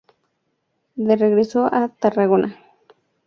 De regreso a Tarragona, cambió el paisaje verde por el campo y la costa.